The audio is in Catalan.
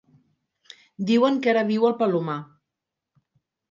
Diuen que ara viu al Palomar.